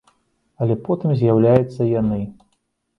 Але потым з'яўляюцца яны.